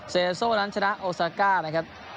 เซโซ่นั้นชนะโอซาก้านะครับ